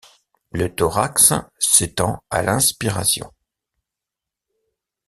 Le thorax s'étend à l'inspiration.